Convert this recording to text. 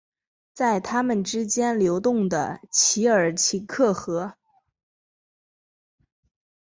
在他们之间流动的奇尔奇克河。